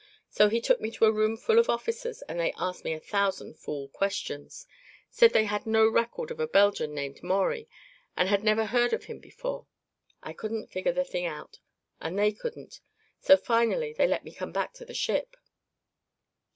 So he took me to a room full of officers and they asked me a thousand fool questions. Said they had no record of a Belgian named Maurie and had never heard of him before. I couldn't figure the thing out, and they couldn't; so finally they let me come back to the ship."